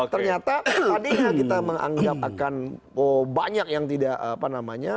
ternyata tadinya kita menganggap akan banyak yang tidak apa namanya